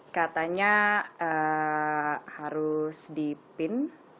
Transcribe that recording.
katanya harus dipin